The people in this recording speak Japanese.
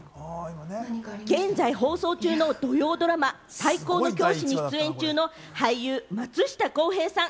現在放送中の土曜ドラマ『最高の教師』に出演中の俳優・松下洸平さん。